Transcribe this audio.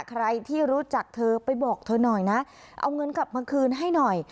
ใครที่รู้จักเธอไปบอกเธอหน่อยนะเอาเงินกลับมาคืนให้หน่อย